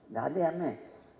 gak ada yang men